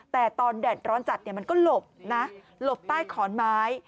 แต่ตอนแดดร้อนจัดมันก็หลบนะหลบใต้ขอนไม้